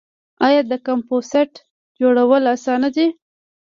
آیا د کمپوسټ جوړول اسانه دي؟